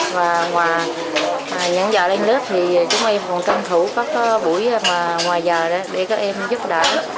và ngoài những giờ lên lớp thì chúng em còn tranh thủ các buổi mà ngoài giờ để các em giúp đỡ